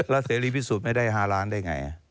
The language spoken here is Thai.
แล้วเศรษฐีพิสุทธิ์ไม่ได้๕ล้านได้ไง